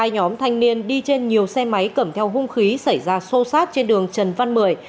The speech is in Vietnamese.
hai nhóm thanh niên đi trên nhiều xe máy cầm theo hung khí xảy ra xô xát trên đường trần văn mười